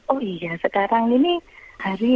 oh iya sekarang ini hari